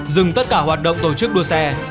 dừng tất cả hoạt động tổ chức đua xe